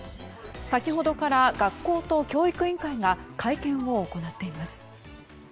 先ほどから学校と教育委員会が会見を行っています。